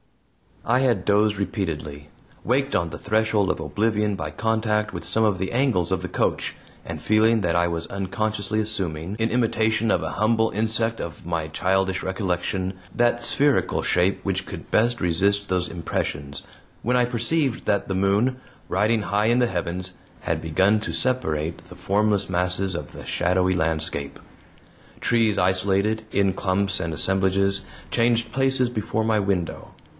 I had dozed repeatedly waked on the threshold of oblivion by contact with some of the angles of the coach, and feeling that I was unconsciously assuming, in imitation of a humble insect of my childish recollection, that spherical shape which could best resist those impressions, when I perceived that the moon, riding high in the heavens, had begun to separate the formless masses of the shadowy landscape. Trees isolated, in clumps and assemblages, changed places before my window.